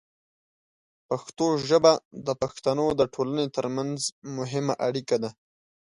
پښتو ژبه د پښتنو د ټولنې ترمنځ مهمه اړیکه ده.